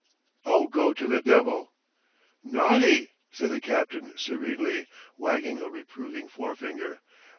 "Oh, go to the devil!" "Naughty!" said the captain serenely, wagging a reproving forefinger.